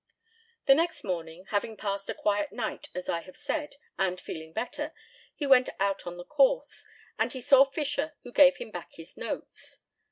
The next morning, having passed a quiet night, as I have said, and feeling better, he went out on the course; and he saw Fisher, who gave him back his notes.